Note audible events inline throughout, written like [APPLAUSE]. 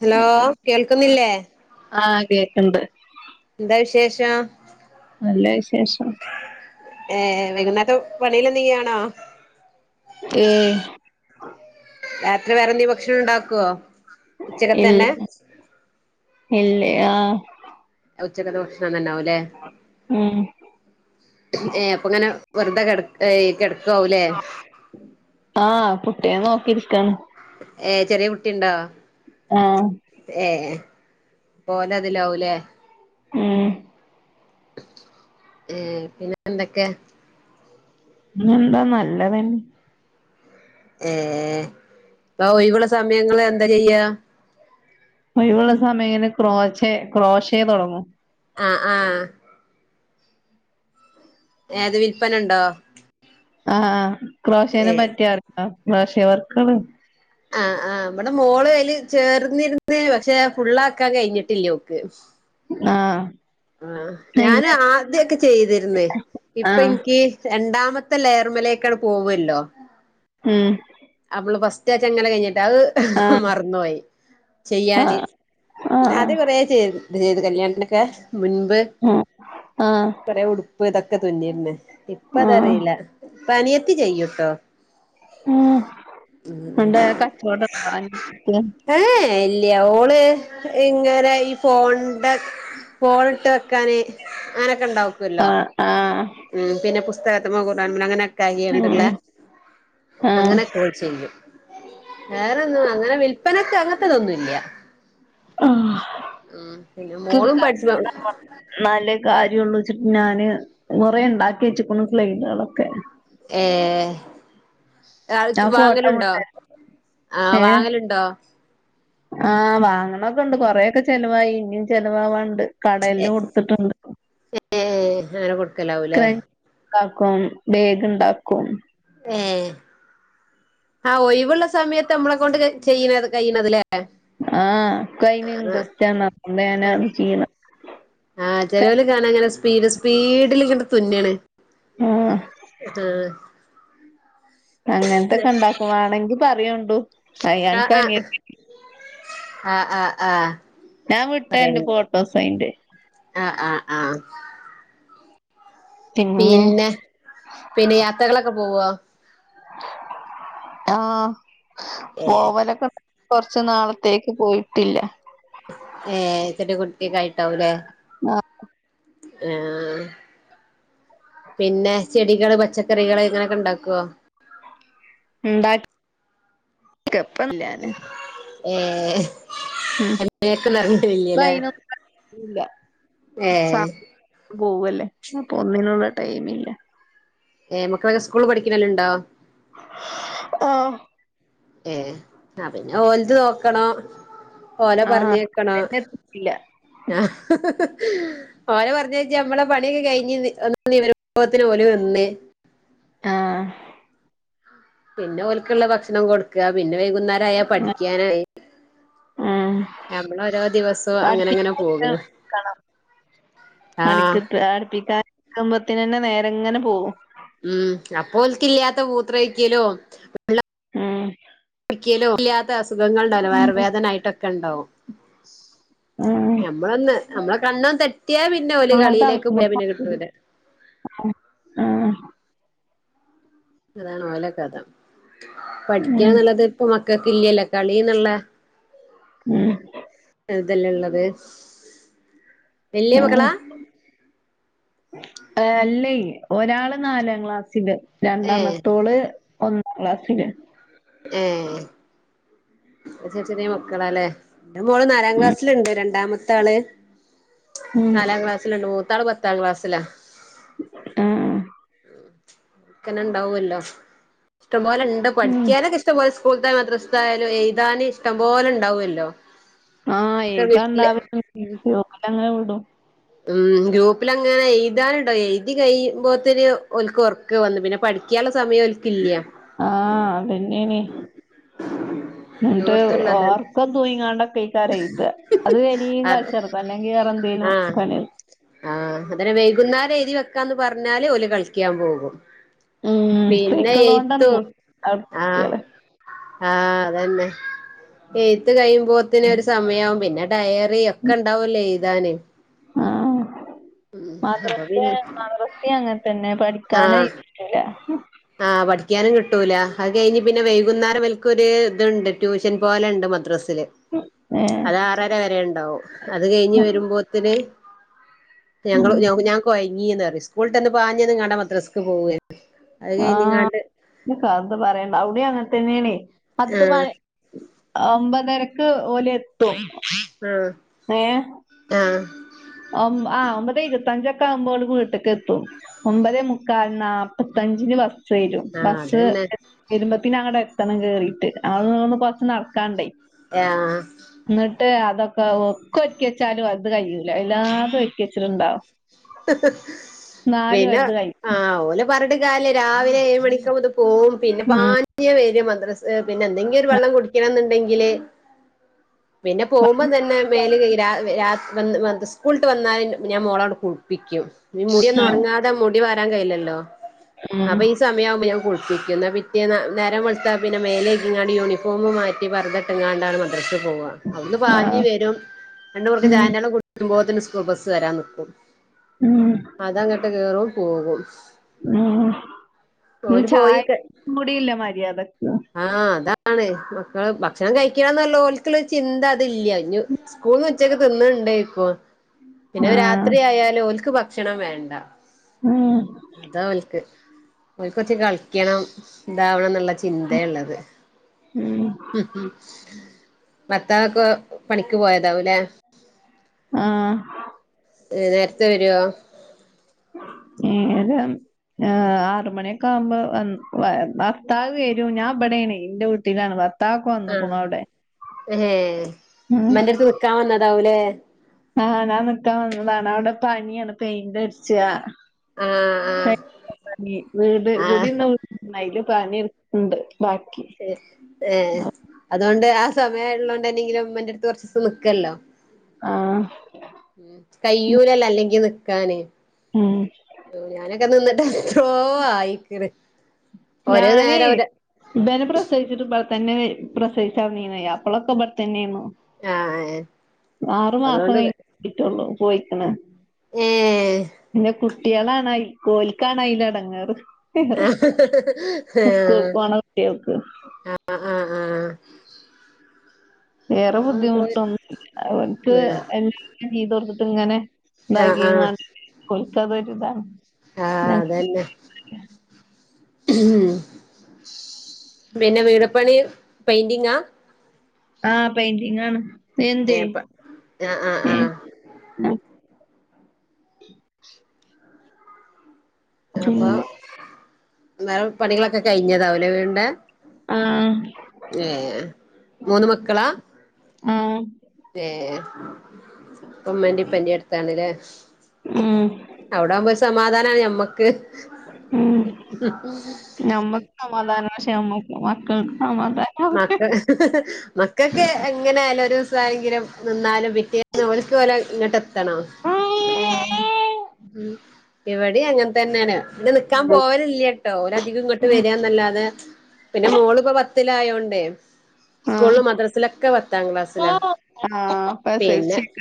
Hello കേൾക്കുന്നില്ലേ ആഹ് കേക്ക്ണ്ട് എന്താ വിശേഷം നല്ല വിശേഷം ഏഹ് വൈകുന്നേത്തെ പണിയില് എന്തെങ്കിലും ആണോ ഏഹ് രാത്രി വേറെ എന്തിം ഭക്ഷണം ഇണ്ടാക്കുവോ ഇല്ല ഇല്ല്യ ആഹ് ഉച്ചക്കത്തെ ഭക്ഷണം തന്നെ ആവൂല്ലേ ഉം ഏഹ് അപ്പൊ ഇങ്ങനെ വെറുതെ കെട ഏഹ് കെടക്കാവൂലേ ആഹ് കുട്ടിയെ നോക്കിരിക്കാണ് ഏഹ് ചെറിയ കുട്ടിണ്ടോ ആഹ് ഏഹ് ഓൻ അതിലാവുലേ ഉം ഏഹ് പിന്നെ എന്തൊക്കെ പിന്നെ എന്താ നല്ലത് ഏഹ് അപ്പൊ ഒയിവുള്ള സമയങ്ങള് എന്താ ചെയ്യാ ഒയിവുള്ള സമയം ഇങ്ങനെ ക്രോച്ചേ ക്രോശേ തുടങ്ങും ആഹ് ആഹ് അത് വില്പനണ്ടോ? ആഹ് ക്രോഷേനെ ഏ പറ്റിയറിയോ ക്രോഷ്യ വർക്കള് ആഹ് ആഹ് ഇവടെ മോള് അയില് ചേർന്നിരുന്ന് പക്ഷെ ഫുള്ളാക്കാൻ ആക്കാൻ കഴിഞ്ഞിട്ടില്ല ആഹ് ആഹ് ഞാന് അയിന് ആദ്യൊക്കെ ചെയ്തിരുന്നു ഇപ്പൊ ആഹ് എനിക്ക് രണ്ടാമത്തെ ലെയർമലേക്കാ പോവല്ലോ. ഉം. അവള് ഫസ്റ്റ അങ്ങനെ കയ്ഞ്ഞെ അത് ആഹ് മർന്നോയി ചെയ്യാന് ആഹ് ആഹ് ആദ്യം കൊറേ ചെയ്ത് അത് ചെയ്ത് കല്യാണത്തിന്റൊ ക്കെ മുൻപ് ഉം ആഹ്. ചെറ്യേ ഉടുപ്പ് ഇതൊക്കെ തുന്നിയിര്ന്ന് ഇപ്പ ആഹ് ഇതറീല്ല ഇപ്പൊ അനിയത്തി ചെയ്യൂട്ടോ. ഉം ഉണ്ട് കച്ചോടംണ്ടോ [UNINTELLIGIBLE] ഇല്ല്യ ഓള് ഇങ്ങനെ ഈ ഫോൺന്റെ കോൾട്ട് വെക്കാന്. അങ്ങനൊക്കെ ഇണ്ടാക്കല്ലോ ആഹ് ആഹ് ഉം പിന്നെ പുസ്തക്ത്മേ ഖുറാൻമേ അങ്ങനെ ഉം ക്യാണ്ട്ളേ ആഹ് അങ്ങനെ ചെയ്യും വേറെന്നും അങ്ങനെ വിൽപനക്ക് അങ്ങൻ ത്തെതൊന്നുംല്യ. ആഹ്. ഉം പിന്നെ മോളും പഠിച്ച നല്ല കാര്യള്ളുച്ചിട്ട് ഞാന് കുറെ ഇണ്ടാക്കി വെച്ച്ക്ക്ണ് ഫ്ലയ്‌ക്ളൊക്കെ. ഏഹ് ഞാൻ [UNINTELLIGIBLE] ഫോട്ടോ വാങ്ങല്ണ്ടോ? വിട്ടേരാ ആഹ് ഏഹ് വാങ്ങല്ണ്ടോ? ആഹ് വാങ്ങണൊക്കെ ഇണ്ട് കൊറെയൊക്കെ ചെലവായി ഇനിയും ചെലവാവാണ്ട് കടേല് കൊട്ത്തിട്ടുണ്ട്. ഏഹ് അങ്ങനെ കൊട് ക്രഞ്ച്ണ്ടാക്കും ബേഗ് ഇണ്ടാക്കും. ഉം ആഹ് ഒയിവ്ള്ള സമയത്ത് അമ്മളെ കൊണ്ട് ചെയ്ണ് കഴിയണത് ലെ? ആഹ് ഇക്കയ്ന് ഇട്രസ്റ്റ് ന്ന‌ അതോണ്ട് ഞാന് ആണ് ചെയ്യ്ണ്. ആഹ് ചെലോല്‌ കാണ അങ്ങനെ സ്പീഡ് സ്പീഡില്ങ്ങനെ തുന്ന് ണ്. ആഹ് ആഹ്. അങ്ങൻത്തെക്കെ ഇണ്ടാക്കുവാണെങ്കി പറയൂണ്ടു. ആഹ് ആഹ് ആഹ് ആഹ് ആ. ഞാൻ വിട്ട ര്‌ന്റ്‌ ഫോട്ടോസ് അയ്ന്റെ. ആഹ് ആഹ് ആഹ്. പിന്നെ പിന്നെ യാത്രകളൊക്കെ പോവോ? ആഹ് ഏഹ് പോവലക്കെ കൊർച്ച് നാളത്തേക്ക് പോയിട്ടില്ല. ഏഹ് ചെറ്യകുട്ടിക്കെ ആയിണ്ടാവുംല്ലേ? ആഹ്. ആഹ് പിന്നെ ചെടികള് പച്ചക്കറികള് ഇങ്ങനൊക്കെ ഇണ്ടാക്കോ? ഇണ്ടാക്കും ഇപ്പ ഇല്ല. ഏഹ്. ഉം മേക്കൊന്നും ഇറങ്ങലില്ലല്ലേ ഇപ്പയ്നൊക്കെ ഇല്ല സ ഏഹ് പോവല്ലേ അപ്പ ഒന്നിനുള്ള ടൈമില്ല. ഏ മക്കളൊക്കെ സ്കൂൾ പഠിക്കുന്നോല് ഇണ്ടോ? ആഹ്. ഏഹ് ആ പിന്നെ ഓൽത് ഓക്കണം ഓലെ ആഹ് പർഞ്ഞയക്കണോ. അതന്നെ എത്തില്ല ആഹ്. ഓലെ പർഞ്ഞയ്ച്ച് നമ്മളെ പണിയൊക്കെ കഴിഞ്ഞ് ഒന്ന് നിവരുംമ്പോത്തിന് ഓല് വെന്ന്. ആഹ്. പിന്നെ ഓല്ക്കുള്ള ഭക്ഷണം കൊടുക്കുക പിന്നെ വൈകുന്നേരയാൽ പഠിക്കാനായി ഉം ഞമ്മള ഓരോ ദിവസവും അങ്ങനെ അങ്ങനെ പോകുന്നു അടുക്കി അടുപ്പിക്കാരിക്കുമ്പത്തിനന്നെ നേരെങ്ങനെ പോകും ഉം അപ്പോഓല്ക്ക്ല്ലാത്ത മൂത്രഒയിക്കലോ ഏഹ് ഒരിക്കലോ ഇല്ലാത്ത അസുഖങ്ങളാ ണ്ടാലോ ഉം വയർവേദനായട്ടൊക്കെണ്ടാവും ഉം ഞമ്മളൊന്ന് നമ്മളെ കണ്ണന്ന് തെറ്റിയാ പിന്നെ ഓല് കളിയിലേക്ക് പോയാ ആഹ് പിന്നെ കിട്ടൂല അതാണ് ഓലെ കഥ ഉം പഠിക്കാന്നുള്ളത് ഇപ്പൊ മക്കൾക്ക് ഇല്ലല്ലോ കളിന്നുള്ള ഉം ഇതല്ലേള്ളത് വല്ല്യ മക്കളാ ഏഹ് അല്ലേയ് ഒരാള് നാലാം ക്ലാസ്സില് ഏഹ് രണ്ടാമത്തോള് ഒന്നാം ക്ലാസ്സില് ഏഹ് ഒക്കെ ചെറിയ മക്കളാലെ എൻ്റെ മോള് നാലാം ഉം ക്ലാസ്സിലുണ്ട് രണ്ടാമത്തെ ആള് ഉം നാലാം ക്ലാസി ലുണ്ട് മൂത്താള് പത്താം ക്ലാസ്സിലാ ആഹ് ആഹ് ക്ക്നെ ഉണ്ടാവുവല്ലോ ഇഷ്ടംപോലെ ണ്ട് ഉം പഠിക്കാനൊക്കെ ഇഷ്ട ഇഷ്ടം പോലെ സ്കൂളിത്തായ മദ്രസ്ഥായാലും എഴുതാനിഷ്ടം പോലെ ഇണ്ടാവുവല്ലോ ആഹ് [UNINTELLIGIBLE] പിന്നങ്ങനെ വിടും ഉം ഗ്രൂപ്പിലങ്ങനെ എഴുതാനുണ്ടോ എഴുതി കഴിയുമ്പോത്തേന് ഓല്ക്ക് ഒറ ക്ക വന്ന് പിന്നെ പഠിക്കാനുള്ള സമയം ഓല് ആഹ് അതന്നെണേ എന്നിട്ട് എല്ലോടത്തുള്ളതാണ് ഓർക്കം തൂയിങ്ങാണ്ട കൈക്കാര ഇ അത് ഇനിയും അത് കളിച്ചെറത്ത് അല്ലെങ്കി വേറെ എന്തേലും ആഹ് [UNINTELLIGIBLE] ആഹ് അങ്ങനെ വൈകുന്നേരം എഴുതി വെക്കാന്ന് പറഞ്ഞാല് ഓല് കളിക്കാൻ പോകും ഉം പിന്നെ സൈക്കിളോണ്ടാണ് എയ്ത്തു പോവും അവ്ട്ത്തെ ആഹ് കുട്ട്യേള് ആഹ് അതന്നെ എയുത്ത് കഴിയുമ്പോത്തിന് ഒരു സമയാവും പിന്നെ ഡയറി ഒക്കെ ഉണ്ടാവല്ലോ എഴുതാന് ആഹ് അപ്പൊ മദ്രസ പിന്നെ മദ്രസ അങ്ങനെ തന്നെ പഠിക്കാനും ആഹ് ഇല്ല ആഹ് പഠിക്കാനും കിട്ടൂല അത് കഴിഞ്ഞ് പിന്നെ വൈകുന്നേരം ഇവല്ക്കൊരു ഇതുണ്ട് ട്യൂഷൻ പോലണ്ട് മ മദ്രസ്സല് ഏഹ് ആറര വരെ ഉണ്ടാവും അത് കഴിഞ്ഞ് വരുമ്പോത്തിന് ഞങ്ങള് ഉം ഞാ ഞാക്കൊയങ്ങീന്ന്റിഞ്ഞ് സ്കൂളട്ട് വന്നപാഞ്ഞന്നങ്ങാണ്ട് മദ്രസക്ക് പോവേര്ന്നു ആഹ് [UNINTELLIGIBLE] പറയണ്ട അവിടേം അങ്ങനെത്തന്നെയാണേ പത്ത് ആഹ് മണി ഒമ്പതരക്ക് ഓലെത്തും ആഹ് ഏഹ് ആഹ് ഒമ്പ ആഹ് ഒമ്പതെ ഇരുപത്തഞ്ചൊക്കെ ആവുമ്പോള് വീട്ടക്കെത്തും ഒമ്പതെ മു മുക്കാലി നാല്പ്പത്തഞ്ചിന് ബസ് വരും ആഹ് ബസ് അതന്നെ എ വരുമ്പത്തിനങ്ങടെത്തണം കേറിയിട്ട് അവടുന്ന് കൊറച്ച് നടക്കാണ്ടേ ആഹ് ആഹ് ന്നിട്ട് അതൊക്കെ ഒക്കെ ഒരിക്കി വെച്ചാലും അത് കഴിയൂല എല്ലാതും ഒരിക്കിവെച്ചിണ്ടാവും പിന്നെ കഴിയൂല ആഹ് ഓല് പറഞ്ഞിട്ടും കാര്യല്ലേ രാവിലെ ഏഴ് മണിക്കാമ്പത്തിന് പോവും പിന്നെ പാഞ്ഞാ വെരാ മദ്രസ്സ് ഏഹ് പിന്നെ എന്തെങ്കിലും ഒരു ഉം വെള്ളം കുടിക്കണെന്ന്ണ്ടെങ്കില് പിന്നെ ആ പോകുമ്പം തന്നെ മേല് കെയികി രാ രാ വൻ വന്ന് സ്കൂള്ട്ട് വന്നാ ഞാൻ മോളാട് കൂൾ പ്പിക്കും പിന്നെ മുടിയൊന്നു ഒണങ്ങാതെ മുടി വാരാൻ കയില്ലല്ലോ ഉം അപ്പൊ ഈ സ് സമയമാവുമ്പോ ഞാൻ കുളിപ്പിക്കും ഇന്നാ പിറ്റേന്ന് നേരം വെള്ത്താ പിന്നെ മേലേയ്കിങ്ങാട് യൂണിഫോമും മാറ്റി പർദ്ദ ഇട്ട് ട്ട്ങ്ങാണ്ടാണ് മദ്രസ് പോവാ അവ്ട്ന്ന് ആ പാഞ്ഞ് വെരും രണ്ട് മുറ്ക്ക് ഉം ചായെന്റെള്ളം കുടിക്കുമ്പോത്തിന് സ്കൂൾ ബസ്സ് വരാൻ നിക്കും. ഉം അതങ്ങട്ട് കേറും പോകും. ഉം ഇത് ഓല് ചായ പോയി കൂടിയില്ല മര്യാദക്ക്. ആഹ് അതാണ് മക്കള് ഭക്ഷണം കഴിക്കണോന്ന്ള്ള ഓല്ക്ക്ള്ള ചിന്ത അതില്ലാ ഇനി സ്കൂൾന്ന് ഉച്ചക്ക് തിന്ന്ണ്ടേക്കും പിന്നെ ആഹ് രാത്രിയായാല് ഓൽക്ക് ഭക്ഷണം വേണ്ടാ ഉം അതാ ഓലിക്ക്. ഓൽക്ക് കൊറച്ച് കളിക്കണം ഇതാവണന്ന്ള്ള ചിന്തേള്ളത് ഉം ഭർത്താവൊക്കെ പണിക്ക് പോയതാവുല്ലെ? ആഹ് ഏഹ് നേരത്തെ വെരുവോ? നേരം ആഹ് ആഹ് ആറ് മണിയൊക്കെ ആവുമ്പോ വൻ ഭർത്താവ് വെരും ഞാൻ എബടെയാണെ ഇന്റെ വീട്ടിലാണ് ഭർ ആഹ് ഏഹ ഉം ഉമ്മന്റെടുത്ത് നിക്കാവന്നതാവുലെ? ആഹ് ഞാൻ നിക്കാൻ വന്നതാണ് അവിടെ പണിയാണ് പെയിന്റ് അടിച്ചാ ആഹ് ആഹ് പണി വീട് ആഹ് [UNINTELLIGIBLE] അയില് പണിയെട്ക്ക്ണ്ട് ബാക്കി ഏഹ് അതുകൊണ്ട് ആ സമയ ഇള്ളെണ്ടെങ്കിലും ഉമ്മാന്റെടുത്ത് കൊറച്ചൂസം നിക്കല്ലോ. ആഹ് ഉം കയ്യൂലല്ലോ അല്ലെങ്കി നിക്കാന് ഉം ഞാനൊക്കെ നിന്നിട്ട് [UNINTELLIGIBLE] ആയിക്ക്ണ്. ഓരോ ഞാന് നേരം ഒര ഇബനെ പ്രസവിച്ചിട്ട് ഇബടത്തന്നെ വെ പ്രസവിച്ചെടന്നിനെതെ അപ്പളൊക്കെ ഇബടത്തന്നെയ്ന്നു. ആഹ് ആറു മാസം അതുകൊണ്ട് കഴിഞ്ഞിട്ടോള്ളു പോയിക്കണ്. ഏഹ് ഏഹ് പിന്നെ കുട്ട്യാളാണ് അയി ഓലിക്കാണയിലെടങ്ങാറ്. ആഹ് സ്കൂൾക്ക് പോണ കുട്ട്യേൾക്ക്. ആഹ് ആഹ് ആഹ് ആഹ് വേറെ ബുദ്ധിമുട്ടൊന്നും ഇല്ല അവനക്ക് ആഹ് [UNINTELLIGIBLE] ചെയ്ത് കൊടുത്തിട്ട് ഇങ്ങനെ ആഹ് ഇതാക്കിങ്ങാണ്ട് ഓലിക്കതൊരു ഇതാണ് ആഹ് അതന്നെ ഉം പിന്നെ വീട്പണി പെയിന്റിങ്ങാ. ആ പെയിറ്റിങ്ങാണ് ഏന്തേയ് ഏഹ് പ ആഹ് ആഹ് ഉം ആഹ് ആഹ് അപ്പൊ പിന്നെ വേറെ പണികളൊക്കെ കഴിഞ്ഞതാവൂലേ വീട്ന്റെ ആഹ് ഏ മൂന്ന് മക്കളാ ആഹ് ഏ ഇപ്പം ഉമ്മന്റിം ഉപ്പന്റിം അടുത്താണ്ല്ലേ ഉം അവിടെ ആവുമ്പോ സമാധാനമാണ് ഞമ്മക്ക് ഉം ഞമ്മക്ക് സമാധാനം പക്ഷെ നമ്മക്ക് മക്കൾക്ക് സമാധാനം ആവൂല മക്കൊക്ക് എങ്ങനെയാലും ഒരു ദിവസാണെങ്കിലും നിന്നാലും പിറ്റേ ഓൽക്ക് ഓലെ ഇങ്ങോട്ട് എത്തണം ഉം ഇവിടെ അങ്ങനെ തന്നെയാണ് ഇങ്ങട് നിക്കാൻ ഉം പോവലില്ലേ കേട്ടോ ഓലധികം ഇങ്ങോട്ട് വരാന്നല്ലാതെ പിന്നെ മോള് ഇപ്പോ പത്തിലായോണ്ടേ ആഹ് സ്കൂളും മദ്രസിലൊക്കെ പത്താം ക്ലാസ്സിലാ ആഹ് പിന്നെ പ്രസവിച്ചേക്ക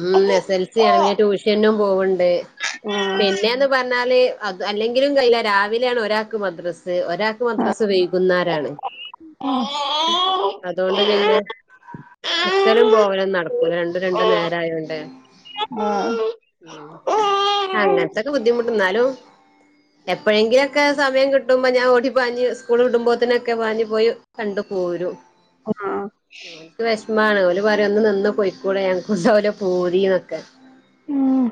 ഉം ആഹ് എസ് എൽ സി ആണ് പിന്നെ ട്യൂഷനും പോവ്ണ്ട് ആഹ് പിന്നെന്ന് പറഞ്ഞാല് അ അല്ലെങ്കിലും കയ്യൂല രാവിലെയാണ് ഒരാൾക്ക് മദ്രസ്സ് ഒരാൾക്ക് മദ്രസ് വൈകുന്നേരാണ് അതുകൊണ്ട് പിന്നെ നിക്കലും പോവലും നടക്കൂല രണ്ടും രണ്ടും ആഹ് നേരം ആയോണ്ടേ ഉം ആഹ് അങ്ങൻത്തൊക്കെ ബുദ്ധിമുട്ട് എന്നാലും എപ്പോഴെങ്കിലും ഒക്കെ സമയം കിട്ടുമ്പോ ഞാൻ ഓടി പാഞ്ഞു സ്കൂൾ വിടുമ്പോത്തിനൊക്കെ പാഞ്ഞി പോയി കണ്ടു പോരും ഓൽക്ക് വിഷമാണ് ഓല് പറയും ഒന്ന് നിന്ന് പോയിക്കൂടെ ഞങ്ങൾക്കും ഉണ്ടാവൂലേ പൂതിന്നൊക്കെ ആഹ്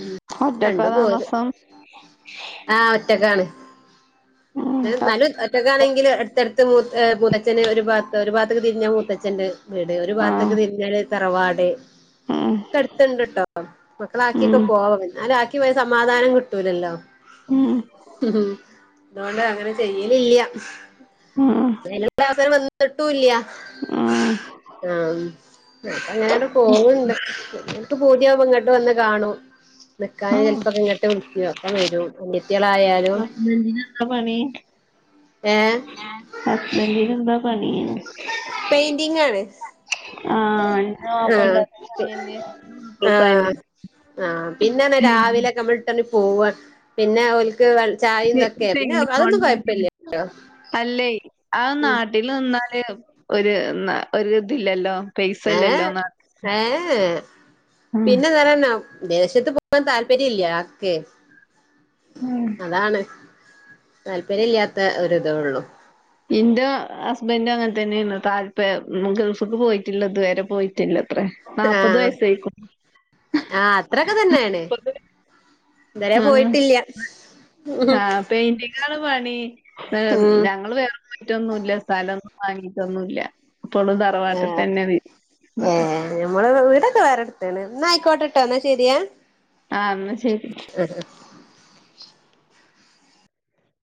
ഉം കണ്ടു പോരും ആഹ് ഒറ്റക്കാണ്. ഉം എന്നാലും ഒറ്റക്ക് ആണെങ്കിൽ അടുത്തടുത്ത് മൂ മൂത്തച്ഛന് ഒരു ഭാഗത്ത് ഒരു ഭാഗത്ത്ക്ക് തിരിഞ്ഞാ മൂത്തച്ഛന്റെ വീട് ഒരു ഭാഗത്ത്ക്ക് ആഹ് തിരിഞ്ഞാല് തറവാട് ഉം ഒക്കെ അടുത്ത്ണ്ട് ട്ടോ മക്കളാക്കിയൊക്കെ ഉം പോവാ എന്നാലും ആക്കി പോയ സമാധാനം കിട്ടൂലല്ലോ ഉം അതുകൊണ്ട് അങ്ങനെ ചെയ്യലില്ല. ഉം ഉം അതിനുള്ള അവസരം വന്നിട്ടും ഇല്ല ഉം ആഹ് ഉം അപ്പം അങ്ങനട് പോവുണ്ട് പിന്നെ ഓൽക്ക് പൂതിയാവുമ്പം ഇങ്ങട്ട് വന്ന് കാണും നിക്കാൻ ആഹ് ചിലപ്പോക്കെ ഇങ്ങോട്ട് വിളിക്കും അപ്പൊ വരും അനിയത്തികളായാലും ഇനി [INAUDIBLE] എന്താ പണി ഏഹ് ഹസ്ബൻന്റിന് എന്താ പണി പെയിന്റിംങ് ആണ് ആഹ് ഇന്റെ മാപ്പളന്റെ ആഹ് അതേ പണി തന്നേ മൂപ്പർക്കും അതന്നെ ആഹ് ആഹ് പിന്നെന്ന് പറഞ്ഞ രാവിലെ ഒക്കെ നമ്മള് ഇട്ടർഞ്ഞി പോവാൻ പിന്നെ ഓൽക്ക് ചായ ഇതൊക്കെ പിന്നെ അതൊന്നും കുഴപ്പില്ല [INAUDIBLE] അല്ലേ ആ ഉം നട വട്ടിൽ നിന്നാല് ഒരു ഒ ഇതില്ലല്ലോ പൈസല്ലല്ലോ ഏഹ് നാ ഏഹ് ഉം പിന്നെ എന്താ അറിയണോ വിദേശത്ത് പോവാൻ താല്പര്യ ഇല്ല ആൾക്ക് ഉം. അതാണ് താല്പര്യ ഇല്ലാത്ത ഒരിതേ ഉള്ളൂ ഇന്റെ ഹസ്ബൻഡും അങ്ങനെ തന്നെയാണ് താല്പയം ഗൾഫ്ക്ക് പോയിട്ടില്ല ഇതുവരെ പോയി ട്ടില്ലത്ര നാല്പ്പത് ആഹ് വയസായിക്ക്ണ്‌ ആഹ് അത്രൊക്കെ തന്നെയാണ് [UNINTELLIGIBLE] ഇതുവരെ ആഹ് പോയിട്ടില്ല ആ പെയിന്റിങ്ങാണ് പണി ഉം ഞങ്ങൾ വേറെ മറ്റോന്നുംല്ല സ്ഥലൊന്നും വാങ്ങീട്ടൊന്നുംല്ല ഇപ്പളും തറ ആഹ് ഏഹ് ഞമ്മള് വീടൊക്കെ വേറെടുത്താണ് എന്നാ ആയിക്കോട്ടെട്ടോ എന്നാ ശെരിയെ ആഹ് എന്നാ ശെരി. ആഹ് ആഹ്